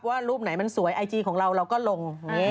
รูปไหนมันสวยไอจีของเราเราก็ลง